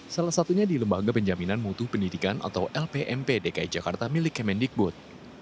salah satunya di lembaga penjaminan mutu pendidikan atau lpmp dki jakarta milik kemendikbud